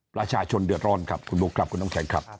ประชาชนเดือดร้อนครับคุณบุ๊คครับคุณน้ำแข็งครับ